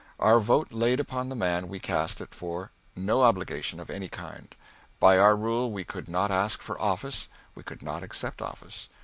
Our vote laid upon the man we cast it for no obligation of any kind. By our rule we could not ask for office; we could not accept office.